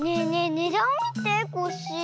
ねだんをみてコッシー。